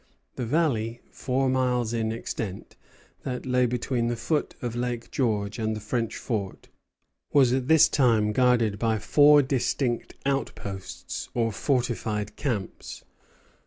The valley, four miles in extent, that lay between the foot of Lake George and the French fort, was at this time guarded by four distinct outposts or fortified camps.